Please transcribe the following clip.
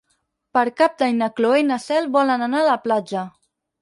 Per Cap d'Any na Cloè i na Cel volen anar a la platja.